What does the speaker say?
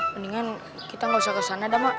mendingan kita gak usah kesana dah mak